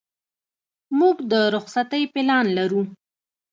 موږ د رخصتۍ پلان لرو.